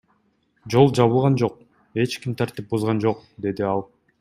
Жол жабылган жок, эч ким тартип бузган жок, — деди ал.